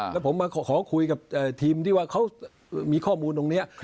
แล้วผมคอคุยกับทีมที่เค้ามีข้อมูลตรงนี้